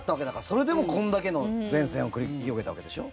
それでも、これだけの善戦を繰り広げたわけでしょ。